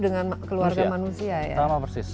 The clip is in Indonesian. dengan keluarga manusia ya sama persis